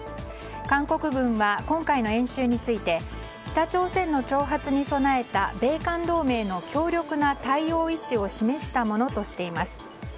韓国軍は今回の演習について北朝鮮の挑発に備えた米韓同盟の強力な対応意思を示したものとしています。